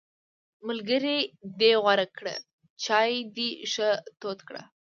ملګری دې غوره کړه، چای دې ښه تود کړه!